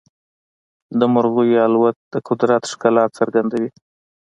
د مرغیو الوت د قدرت ښکلا څرګندوي.